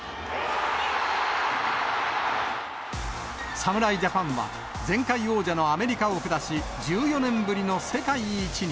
侍ジャパンは、前回王者のアメリカを下し、１４年ぶりの世界一に。